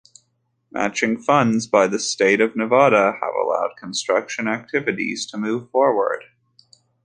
Matching funds by the State of Nevada have allowed construction activities to move forward.